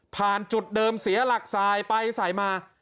จุดเดิมเสียหลักสายไปสายมา